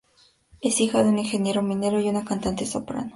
Es hija de un ingeniero minero y una cantante soprano.